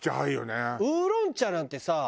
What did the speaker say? ウーロン茶なんてさ